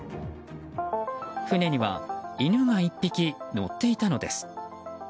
船には犬が１匹乗っていたのです。